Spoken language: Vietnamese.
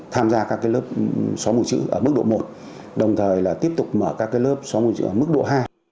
tham gia các cái lớp xóa mù chữ ở mức độ một đồng thời là tiếp tục mở các cái lớp xóa mù chữ ở mức độ hai